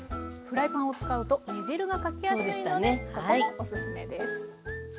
フライパンを使うと煮汁がかけやすいのでここもおすすめです。